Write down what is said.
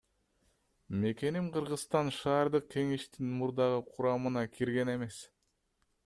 Мекеним Кыргызстан шаардык кеңештин мурдагы курамына кирген эмес.